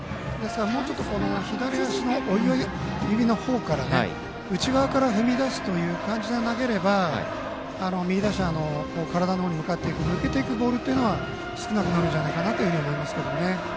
もうちょっと左足の親指の方から内側から踏み出すという感じで投げれば右打者の体の方に向かっていく抜けていくボールというのは少なくなるんじゃないかなと思います。